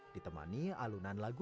ditemani alunan lagu